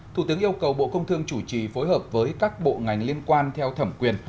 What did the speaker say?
thủ tướng yêu cầu bộ công thương chủ trì phối hợp với các bộ ngành liên quan theo thẩm quyền